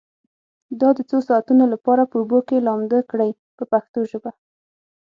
دا د څو ساعتونو لپاره په اوبو کې لامده کړئ په پښتو ژبه.